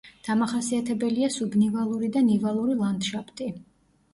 დამახასიათებელია სუბნივალური და ნივალური ლანდშაფტი.